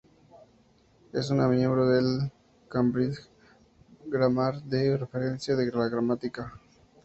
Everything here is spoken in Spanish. Es una miembro del Cambridge Grammar de referencia de la Gramática.